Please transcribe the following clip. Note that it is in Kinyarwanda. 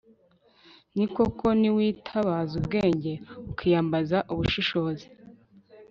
ni koko, niwitabaza ubwenge ukiyambaza ubushishozi